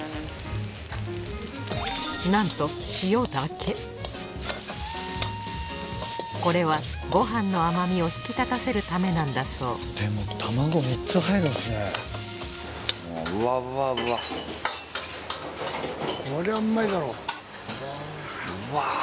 なんとこれはご飯の甘みを引き立たせるためなんだそううわうわ。